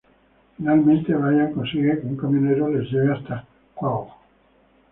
Finalmente, Brian consigue que un camionero les lleve hasta Quahog.